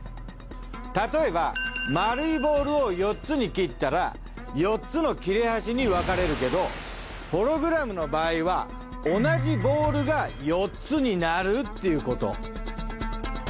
たとえば丸いボールを４つに切ったら４つの切れ端に分かれるけどホログラムの場合は同じボールが４つになるっていうこと。